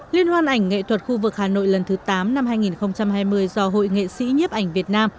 liên hoan ảnh nghệ thuật khu vực hà nội lần thứ tám năm hai nghìn hai mươi do hội nghệ sĩ nhiếp ảnh việt nam